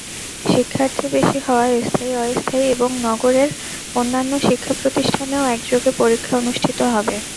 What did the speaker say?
শিক্ষার্থী বেশি হওয়ায় স্থায়ী-অস্থায়ী এবং নগরের অন্যান্য শিক্ষাপ্রতিষ্ঠানেও একযোগে পরীক্ষা অনুষ্ঠিত হবে।